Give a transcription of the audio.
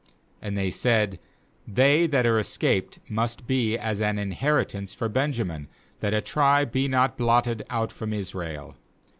17And they said: "They that are escaped must be as an inheritance for Benjamin, that a tribe be not blotted out from Israel.